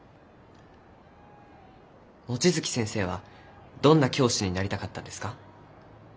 望月先生はどんな教師になりたかったんですか？